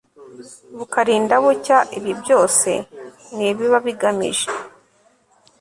bukarinda bucya ibi byose ni ibiba bigamije